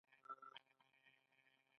د چهارمغز لرګي د ټوپک لپاره دي.